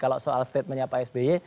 kalau soal statementnya pak sby